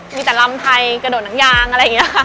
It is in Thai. มีแต่ลำไทยกระโดดหนังยางอะไรอย่างนี้ค่ะ